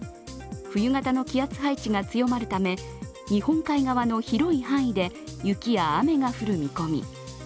冬型の気圧配置が強まるため日本海側の広い範囲で雪や雨が降る見込み。